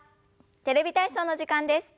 「テレビ体操」の時間です。